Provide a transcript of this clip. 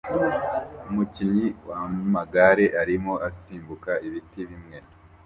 Umukinnyi wamagare arimo asimbuka ibiti bimwe